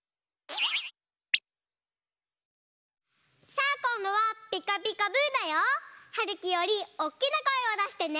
さあこんどは「ピカピカブ！」だよ。はるきよりおっきなこえをだしてね！